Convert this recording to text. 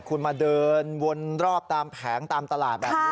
คุณมาเดินวนรอบตามแผงตามตลาดแบบนี้